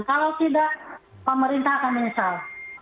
kalau tidak pemerintah akan menyesal